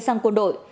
xăng quân đội